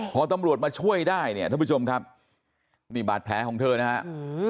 พอตำรวจมาช่วยได้เนี่ยท่านผู้ชมครับนี่บาดแผลของเธอนะฮะ